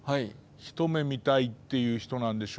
一目見たいっていう人なんでしょうね。